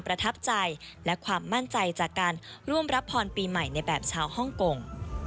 เจอกันให้ทุกคนมาห้องคงมาเจอกันและกลับมาห้องคง